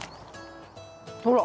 ほら。